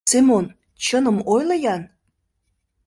Семон, чыным ойло-ян!